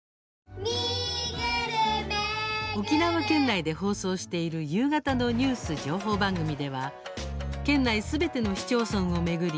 沖縄県内で放送している夕方のニュース・情報番組では県内すべての市町村を巡り